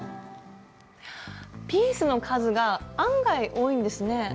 ピースの数が案外多いんですね。